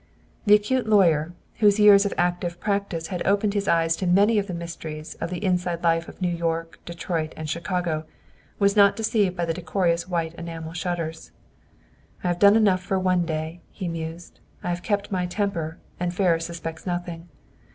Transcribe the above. The acute lawyer, whose years of active practice had opened his eyes to many of the mysteries of the inside life of New York, Detroit and Chicago, was not deceived by the decorous white enamel shutters. "I have done enough for one day," he mused. "I have kept my temper, and Ferris suspects nothing.